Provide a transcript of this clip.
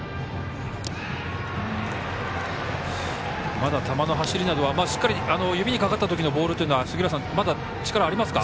まだ球の走りなどはしっかり指にかかった時のボールというのはまだ、力ありますか？